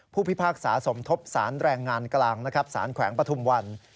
พิพากษาสมทบสารแรงงานกลางนะครับสารแขวงปฐุมวัน